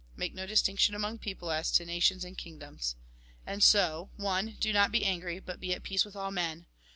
Make no distinction among people as to nations and kingdoms. And so :— I. Do not be angry, but be at peace with all men.